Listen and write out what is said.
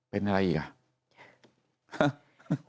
เป็นอะไรอีกอ่ะ